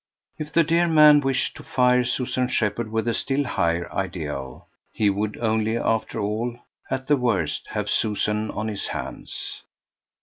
If the dear man wished to fire Susan Shepherd with a still higher ideal, he would only after all, at the worst, have Susan on his hands.